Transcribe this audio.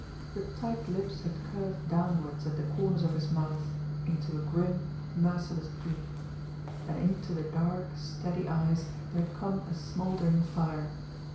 The tight lips had curved downward at the corners of his mouth into a grim, merciless droop; and into the dark, steady eyes there had come a smouldering fire.